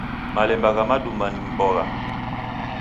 Malemba gha maduma ni mbogha.